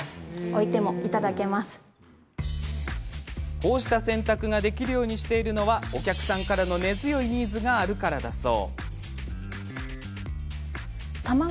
こうした選択ができるようにしているのはお客さんの根強いニーズがあるからだそう。